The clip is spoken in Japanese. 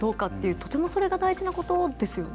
とてもそれが大事なことですよね。